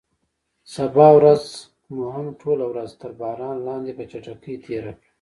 سبا ورځ مو هم ټوله ورځ تر باران لاندې په چټکۍ تېره کړه.